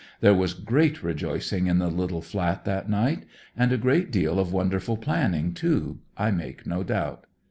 There was great rejoicing in the little flat that night; and a deal of wonderful planning, too, I make no doubt.